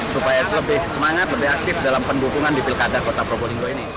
supaya lebih semangat lebih aktif dalam pendukungan di pilkada kota probolinggo ini